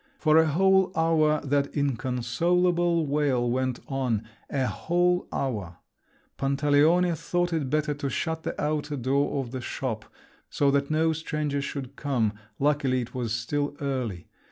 For a whole hour that inconsolable wail went on—a whole hour! Pantaleone thought it better to shut the outer door of the shop, so that no stranger should come; luckily, it was still early.